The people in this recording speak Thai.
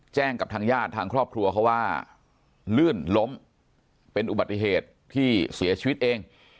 แจ้งกับทางญาติทางครอบครัวเขาว่าลื่นล้มเป็นอุบัติเหตุที่เสียชีวิตเอง